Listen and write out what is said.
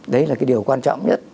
đấy là cái điều quan trọng nhất